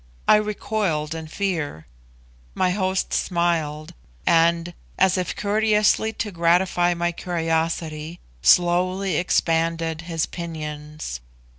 I recoiled in fear; my host smiled, and as if courteously to gratify my curiosity, slowly expanded his pinions.